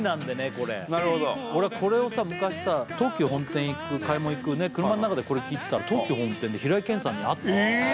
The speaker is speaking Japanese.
これ・なるほど俺これをさ昔さ東急本店行く買い物行く車の中でこれ聴いてたら東急本店で平井堅さんに会ったのえ！